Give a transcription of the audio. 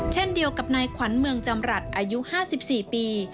เช่นเดียวกับนายขวัญเมืองจำรัฐอายุ๕๔ปี